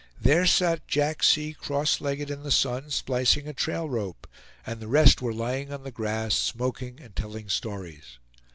There sat Jack C., cross legged, in the sun, splicing a trail rope, and the rest were lying on the grass, smoking and telling stories.